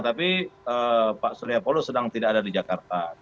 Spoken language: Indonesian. tapi pak surya palo sedang tidak ada di jakarta